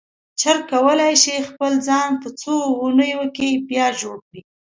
جگر کولی شي خپل ځان په څو اونیو کې بیا جوړ کړي.